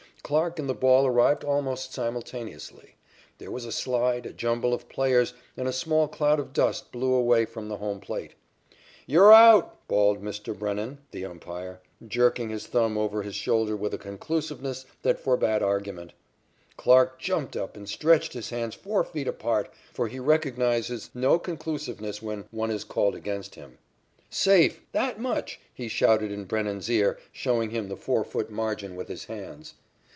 Clarke and the ball arrived almost simultaneously. There was a slide, a jumble of players, and a small cloud of dust blew away from the home plate. "Ye're out!" bawled Mr. Brennan, the umpire, jerking his thumb over his shoulder with a conclusiveness that forbade argument. Clarke jumped up and stretched his hands four feet apart, for he recognizes no conclusiveness when "one is called against him." "Safe! that much!" he shouted in Brennan's ear, showing him the four foot margin with his hands.